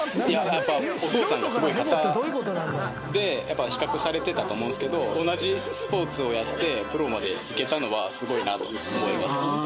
やっぱお父さんがすごい方で、やっぱ比較されてたと思うんですけど、同じスポーツをやって、プロまで行けたのはすごいなと思います。